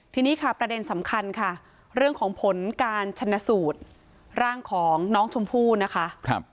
ทีนี้ค่ะประเด็นสำคัญค่ะเรื่องของผลการชนะสูตรร่างของน้องชมพู่นะคะ